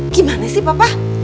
gimana sih bapak